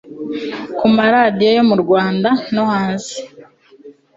kumaradiyo yo murwanda no hanze